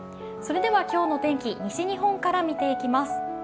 それでは今日の天気、西日本から見ていきます。